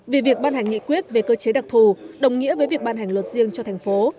vì việc ban hành nghị quyết về cơ chế đặc thù đồng nghĩa với việc ban hành luật riêng cho thành phố